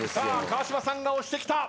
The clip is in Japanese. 川島さんが押してきた。